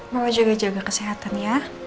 mama juga jaga kesehatan ya